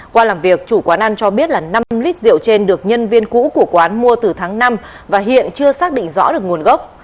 qua làm việc chủ quán ăn cho biết là năm lít rượu trên được nhân viên cũ của quán mua từ tháng năm và hiện chưa xác định rõ được nguồn gốc